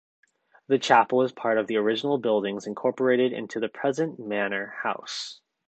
The chapel is part of the original buildings incorporated into the present manor house.